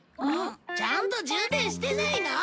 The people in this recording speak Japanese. ちゃんと充電してないの？